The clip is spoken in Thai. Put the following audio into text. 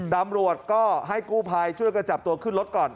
ตำรวจก็ให้กู้ภัยช่วยกันจับตัวขึ้นรถก่อน